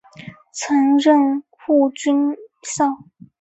曾任护军校。